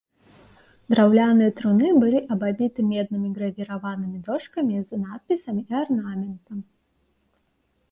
Драўляныя труны былі абабіты меднымі гравіраванымі дошкамі з надпісамі і арнаментам.